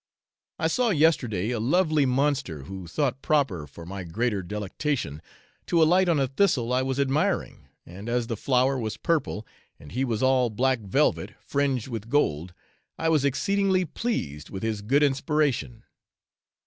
I saw yesterday a lovely monster, who thought proper, for my greater delectation, to alight on a thistle I was admiring, and as the flower was purple, and he was all black velvet, fringed with gold, I was exceedingly pleased with his good inspiration.